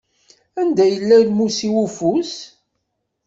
Anda yella lmus-iw ufus?